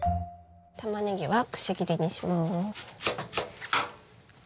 たまねぎはくし切りにします。